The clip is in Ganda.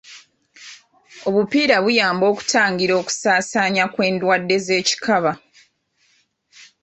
Obupiira buyamba okutangira okusaasaanya kw'endwadde z'ekikaba.